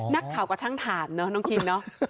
นักข่าวกว่าช่างถามเนอะน้องกิม